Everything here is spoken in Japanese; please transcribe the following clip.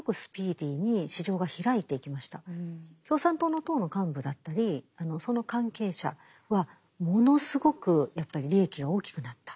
なのでこれはものすごく共産党の党の幹部だったりその関係者はものすごくやっぱり利益が大きくなった。